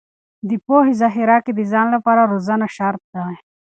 د پوهې ذخیره کې د ځان لپاره روزنه شرط دی.